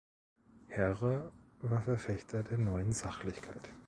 Herre war Verfechter der Neuen Sachlichkeit.